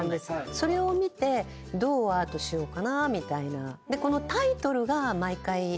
それを見てどうアートしようかなと。